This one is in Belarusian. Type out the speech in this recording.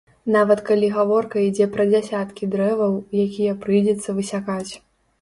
Нават калі гаворка ідзе пра дзясяткі дрэваў, якія прыйдзецца высякаць.